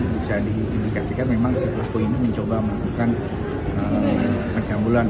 bisa diindikasikan memang si pelaku ini mencoba melakukan pencabulan